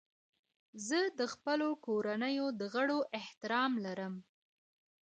زه د خپلو کورنیو د غړو احترام لرم.